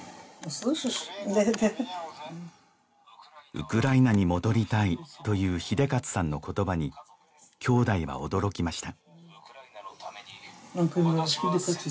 ウクライナに戻りたいという英捷さんの言葉にきょうだいは驚きました